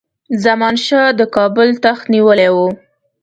زمان شاه د کابل تخت نیولی وو.